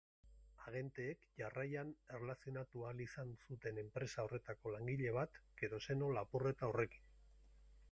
Agenteek jarraian erlazionatu ahal izan zuten enpresa horretako langile bat keroseno lapurreta horrekin.